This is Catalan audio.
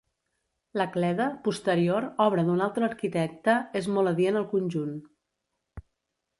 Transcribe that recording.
La cleda, posterior, obra d'un altre arquitecte, és molt adient al conjunt.